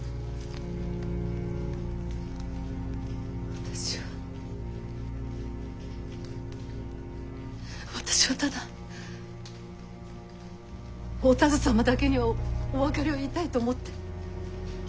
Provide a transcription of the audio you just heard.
私は私はただお田鶴様だけにはお別れを言いたいと思って。